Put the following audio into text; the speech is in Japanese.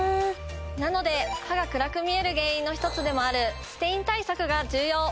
なので歯が暗く見える原因の１つでもあるステイン対策が重要！